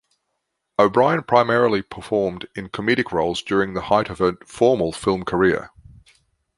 O'Brien primarily performed in comedic roles during the height of her formal film career.